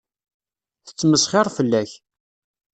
Tettmesxiṛ fell-ak.